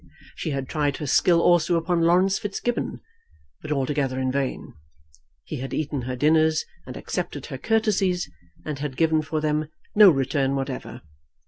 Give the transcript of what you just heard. She had tried her skill also upon Laurence Fitzgibbon, but altogether in vain. He had eaten her dinners and accepted her courtesies, and had given for them no return whatever.